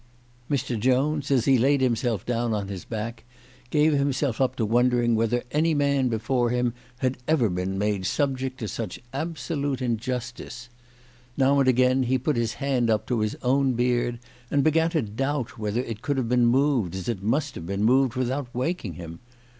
Mr. Jones, as he laid himself down on his back, gave him self up to wondering whether any man before him had ever been made subject to such absolute injustice. Now and again he put his hand up to his own beard, and began to doubt whether it could have been moved, as it must have been moved, without waking him.